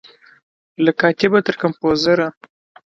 له کاتبه تر کمپوزره